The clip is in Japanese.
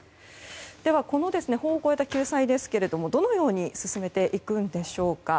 では、この法を超えた救済ですけれどもどのように進めていくのでしょうか。